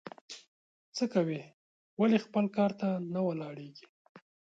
څه کوې ؟ ولي خپل کار ته نه ولاړېږې؟